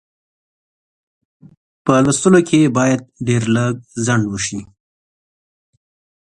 په لوستلو کې یې باید ډېر لږ ځنډ وشي.